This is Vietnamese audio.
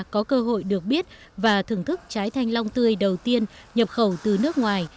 có cơ hội được biết và thưởng thức trái thanh long tươi đầu tiên nhập khẩu từ nước ngoài